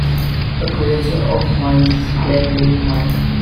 A creature of my splendid mind.